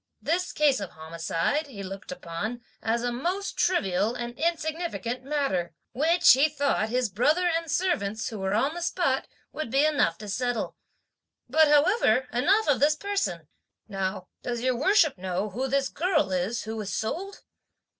This case of homicide, (he looked upon) as a most trivial and insignificant matter, which, (he thought), his brother and servants, who were on the spot, would be enough to settle. But, however, enough of this person. Now does your worship know who this girl is who was sold?"